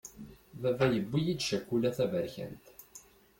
Baba yewwi-yi-d cakula taberkant.